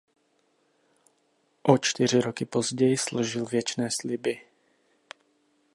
O čtyři roky později složil věčné sliby.